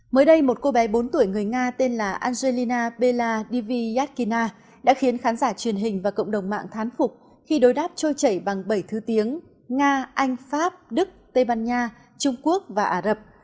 mới đây một cô bé bốn tuổi người nga tên là angelina pella diviakina đã khiến khán giả truyền hình và cộng đồng mạng thán phục khi đối đáp trôi chảy bằng bảy thứ tiếng nga anh pháp đức tây ban nha trung quốc và ả rập